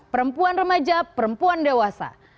perempuan remaja perempuan dewasa